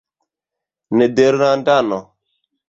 nederlandano